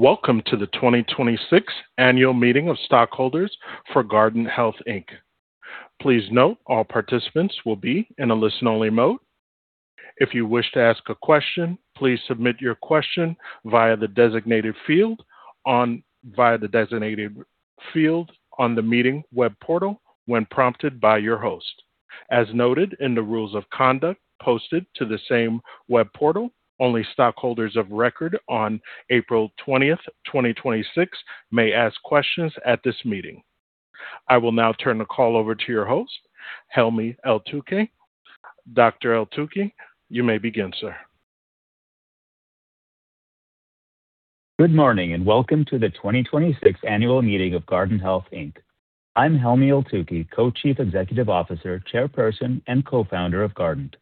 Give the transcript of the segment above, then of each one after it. Welcome to the 2026 Annual Meeting of Stockholders for Guardant Health, Inc. Please note all participants will be in a listen only mode. If you wish to ask a question, please submit your question via the designated field on the meeting web portal when prompted by your host. As noted in the rules of conduct posted to the same web portal, only stockholders of record on April 20th, 2026 may ask questions at this meeting. I will now turn the call over to your host, Helmy Eltoukhy. Dr. Eltoukhy, you may begin, sir. Good morning. Welcome to the 2026 annual meeting of Guardant Health, Inc. I'm Helmy Eltoukhy, Co-Chief Executive Officer, Chairperson, and Co-founder of Guardant.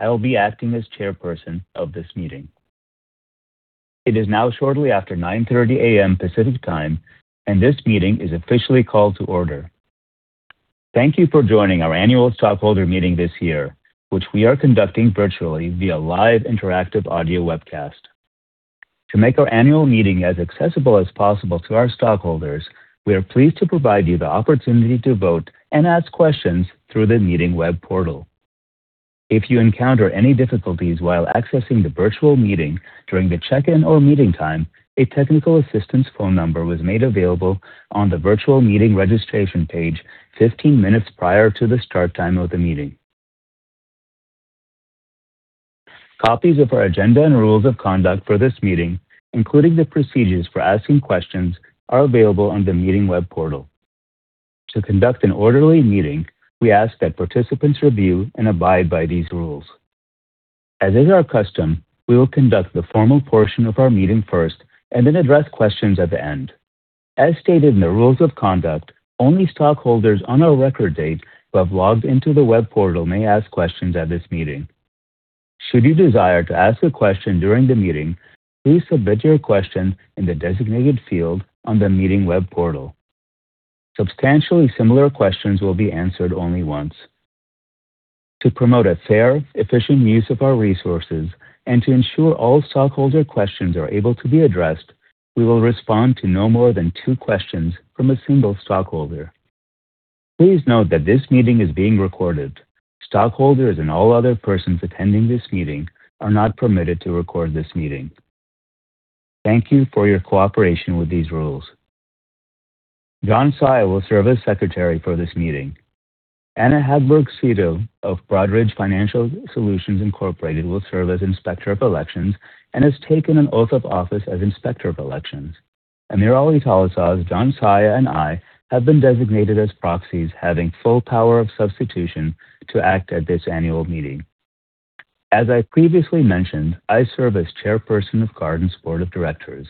I will be acting as Chairperson of this meeting. It is now shortly after 9:30 A.M. Pacific Time. This meeting is officially called to order. Thank you for joining our annual stockholder meeting this year, which we are conducting virtually via live interactive audio webcast. To make our annual meeting as accessible as possible to our stockholders, we are pleased to provide you the opportunity to vote and ask questions through the meeting web portal. If you encounter any difficulties while accessing the virtual meeting during the check-in or meeting time, a technical assistance phone number was made available on the virtual meeting registration page 15 minutes prior to the start time of the meeting. Copies of our agenda and rules of conduct for this meeting, including the procedures for asking questions, are available on the meeting web portal. To conduct an orderly meeting, we ask that participants review and abide by these rules. As is our custom, we will conduct the formal portion of our meeting first. Then address questions at the end. As stated in the rules of conduct, only stockholders on our record date who have logged into the web portal may ask questions at this meeting. Should you desire to ask a question during the meeting, please submit your question in the designated field on the meeting web portal. Substantially similar questions will be answered only once. To promote a fair, efficient use of our resources and to ensure all stockholder questions are able to be addressed, we will respond to no more than two questions from a single stockholder. Please note that this meeting is being recorded. Stockholders and all other persons attending this meeting are not permitted to record this meeting. Thank you for your cooperation with these rules. John Saia will serve as Secretary for this meeting. Anna [Hadler-Sido] of Broadridge Financial Solutions Incorporated will serve as Inspector of Elections and has taken an oath of office as Inspector of Elections. AmirAli Talasaz, John Saia, and I have been designated as proxies having full power of substitution to act at this annual meeting. As I previously mentioned, I serve as Chairperson of Guardant's Board of Directors.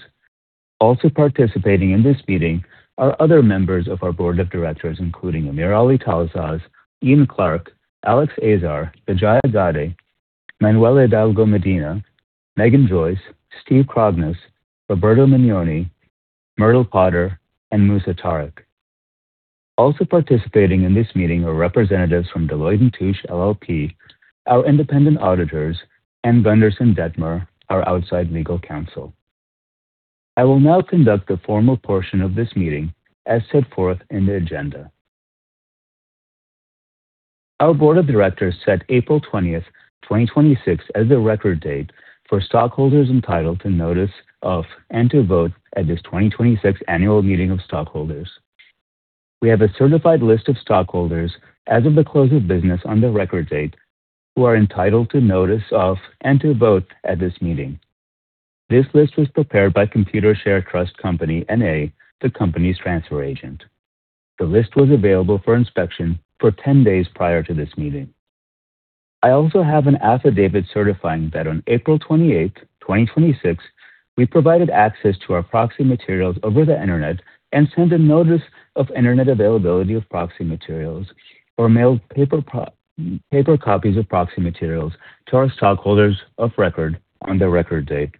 Also participating in this meeting are other members of our Board of Directors, including AmirAli Talasaz, Ian Clark, Alex Azar, Vijaya Gadde, Manuel Hidalgo Medina, Meghan Joyce, Steve Krognes, Roberto Mignone, Myrtle Potter, and Musa Tariq. Also participating in this meeting are representatives from Deloitte & Touche LLP, our independent auditors, and Gunderson Dettmer, our outside legal counsel. I will now conduct the formal portion of this meeting as set forth in the agenda. Our board of directors set April 20, 2026 as the record date for stockholders entitled to notice of and to vote at this 2026 annual meeting of stockholders. We have a certified list of stockholders as of the close of business on the record date, who are entitled to notice of and to vote at this meeting. This list was prepared by Computershare Trust Company, N.A., the company's transfer agent. The list was available for inspection for 10 days prior to this meeting. I also have an affidavit certifying that on April 28, 2026, we provided access to our proxy materials over the internet and sent a notice of internet availability of proxy materials or mailed paper copies of proxy materials to our stockholders of record on the record date.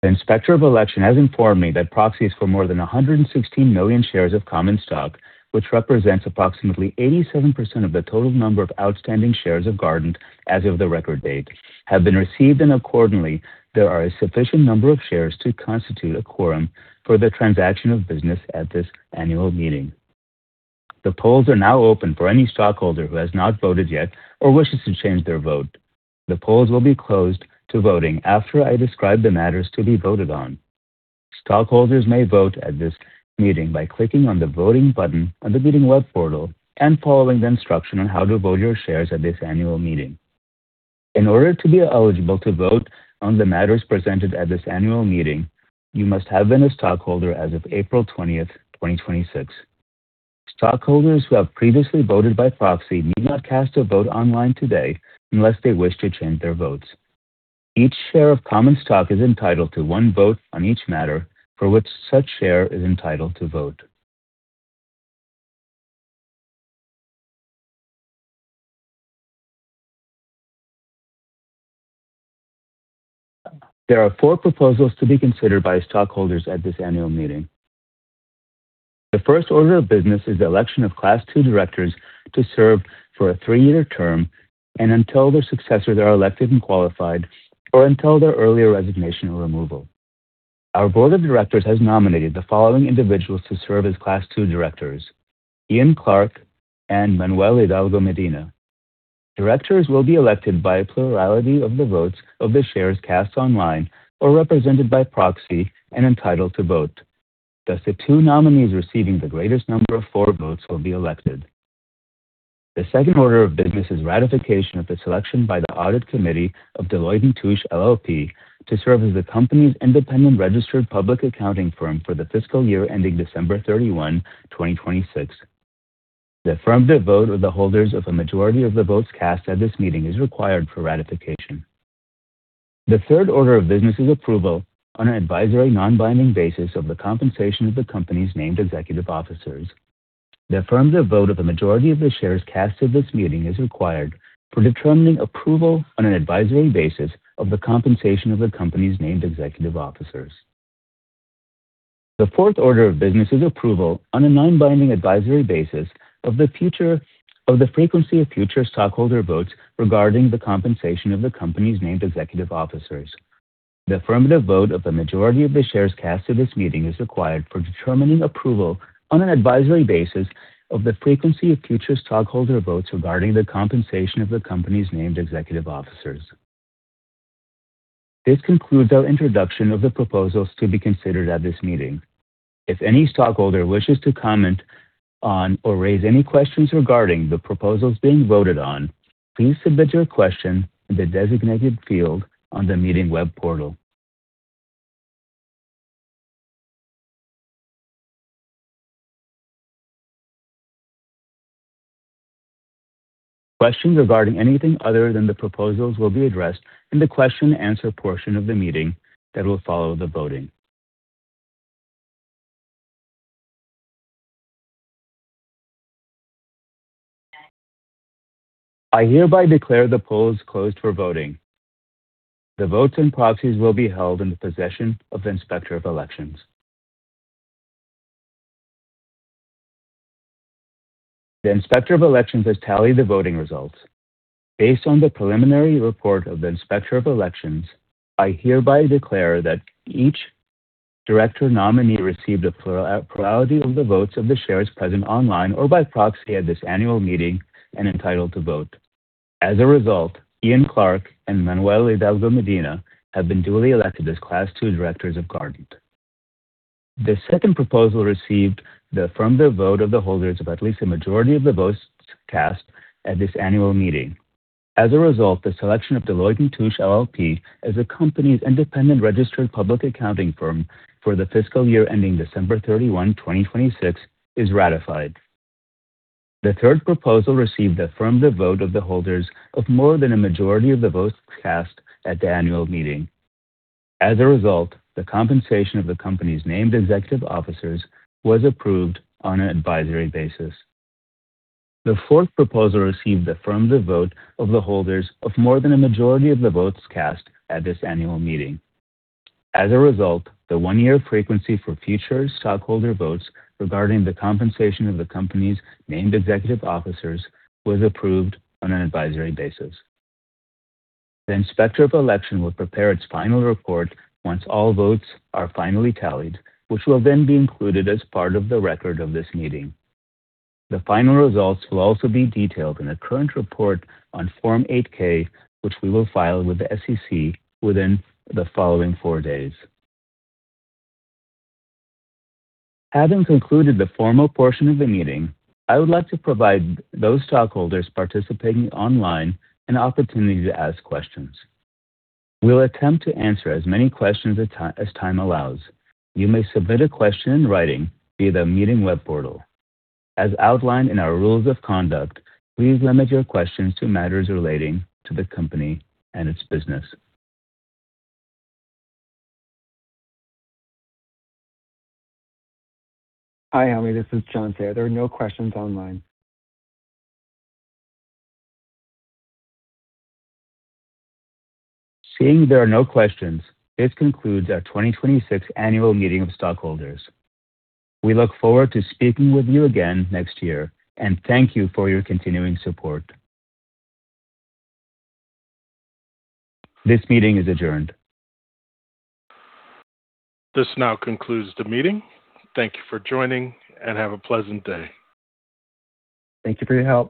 The Inspector of Election has informed me that proxies for more than 116 million shares of common stock, which represents approximately 87% of the total number of outstanding shares of Guardant as of the record date, have been received, and accordingly, there are a sufficient number of shares to constitute a quorum for the transaction of business at this annual meeting. The polls are now open for any stockholder who has not voted yet or wishes to change their vote. The polls will be closed to voting after I describe the matters to be voted on. Stockholders may vote at this meeting by clicking on the voting button on the meeting web portal and following the instruction on how to vote your shares at this annual meeting. In order to be eligible to vote on the matters presented at this annual meeting, you must have been a stockholder as of April 20, 2026. Stockholders who have previously voted by proxy need not cast a vote online today unless they wish to change their votes. Each share of common stock is entitled to one vote on each matter for which such share is entitled to vote. There are four proposals to be considered by stockholders at this annual meeting. The first order of business is the election of Class II directors to serve for a three-year term and until their successors are elected and qualified, or until their earlier resignation or removal. Our board of directors has nominated the following individuals to serve as Class II directors, Ian Clark and Manuel Hidalgo Medina. Directors will be elected by a plurality of the votes of the shares cast online or represented by proxy and entitled to vote. Thus the two nominees receiving the greatest number of forward votes will be elected. The second order of business is ratification of the selection by the Audit Committee of Deloitte & Touche LLP to serve as the company's independent registered public accounting firm for the fiscal year ending December 31, 2026. The affirmative vote, or the holders of a majority of the votes cast at this meeting is required for ratification. The third order of business is approval on an advisory non-binding basis of the compensation of the company's named executive officers. The affirmative vote of a majority of the shares cast at this meeting is required for determining approval on an advisory basis of the compensation of the company's named executive officers. The fourth order of business is approval on a non-binding advisory basis of the frequency of future stockholder votes regarding the compensation of the company's named executive officers. The affirmative vote of a majority of the shares cast at this meeting is required for determining approval on an advisory basis of the frequency of future stockholder votes regarding the compensation of the company's named executive officers. This concludes our introduction of the proposals to be considered at this meeting. If any stockholder wishes to comment on or raise any questions regarding the proposals being voted on, please submit your question in the designated field on the meeting web portal. Questions regarding anything other than the proposals will be addressed in the question and answer portion of the meeting that will follow the voting. I hereby declare the polls closed for voting. The votes and proxies will be held in the possession of the Inspector of Elections. The Inspector of Elections has tallied the voting results. Based on the preliminary report of the Inspector of Elections, I hereby declare that each director nominee received a plurality of the votes of the shares present online or by proxy at this annual meeting and entitled to vote. As a result, Ian Clark and Manuel Hidalgo Medina have been duly elected as Class II directors of Guardant. The second proposal received the affirmative vote of the holders of at least a majority of the votes cast at this annual meeting. As a result, the selection of Deloitte & Touche LLP as the company's independent registered public accounting firm for the fiscal year ending December 31, 2026, is ratified. The third proposal received the affirmative vote of the holders of more than a majority of the votes cast at the annual meeting. As a result, the compensation of the company's named executive officers was approved on an advisory basis. The fourth proposal received the affirmative vote of the holders of more than a majority of the votes cast at this annual meeting. As a result, the one-year frequency for future stockholder votes regarding the compensation of the company's named executive officers was approved on an advisory basis. The Inspector of Elections will prepare its final report once all votes are finally tallied, which will then be included as part of the record of this meeting. The final results will also be detailed in a current report on Form 8-K, which we will file with the SEC within the following four days. Having concluded the formal portion of the meeting, I would like to provide those stockholders participating online an opportunity to ask questions. We'll attempt to answer as many questions as time allows. You may submit a question in writing via the meeting web portal. As outlined in our rules of conduct, please limit your questions to matters relating to the company and its business. Hi, Helmy, this is John. There are no questions online. Seeing there are no questions, this concludes our 2026 annual meeting of stockholders. We look forward to speaking with you again next year, and thank you for your continuing support. This meeting is adjourned. This now concludes the meeting. Thank you for joining, and have a pleasant day. Thank you for your help.